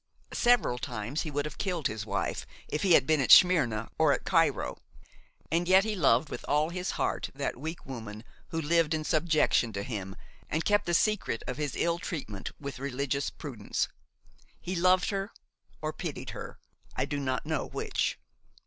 Several times he would have killed his wife, if he had been at Smyrna or at Cairo. And yet he loved with all his heart that weak woman who lived in subjection to him and kept the secret of his ill treatment with religious prudence. He loved her or pitied her–I do not know which.